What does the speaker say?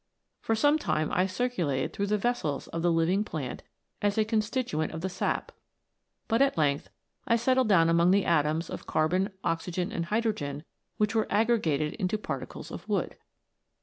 For some time I circulated through the vessels of the living plant as a constituent of the sap, but at length I settled down among the atoms of carbon, * The Carboniferous Period. 60 THE LIFE OF AN ATOM. oxygen, and hydrogen which were aggregated into particles of wood.